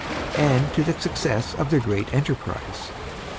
and to the success of their great enterprise.